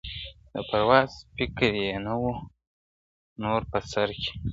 د پرواز فکر یې نه وو نور په سر کي ,